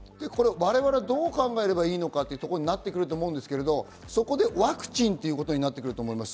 我々はどう考えればいいのかっていうところになってくると思うんですけど、そこでワクチンということになってくると思います。